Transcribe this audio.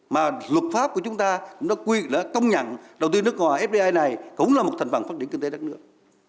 mà luật pháp của chúng ta nó quy định là công nhận đầu tư nước ngoài fdi này cũng là một thành phần phát triển kinh tế đất nước